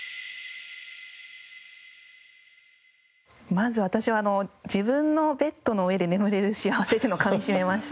まず私は自分のベッドの上で眠れる幸せっていうのをかみ締めました。